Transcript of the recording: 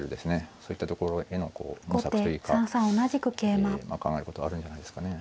そういったところへの模索というか考えることがあるんじゃないですかね。